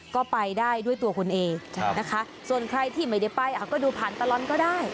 ก็ไปได้ด้วยตัวคุณเองนะคะส่วนใครที่ไม่ได้ไปก็ดูผ่านตลอดก็ได้